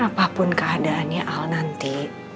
apapun keadaannya al nanti